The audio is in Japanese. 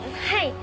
はい。